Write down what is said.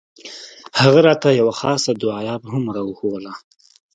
هغه راته يوه خاصه دعايه هم راوښووله.